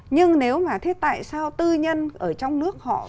nhưng nếu mà thế tại sao tư nhân ở trong nước họ